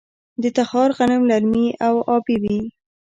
د تخار غنم للمي او ابي وي.